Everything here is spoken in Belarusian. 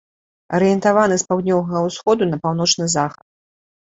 Арыентаваны з паўднёвага ўсходу на паўночны захад.